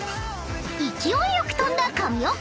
［勢いよく飛んだ神尾君。